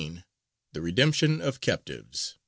THE REDEMPTION OF CAPTIVES.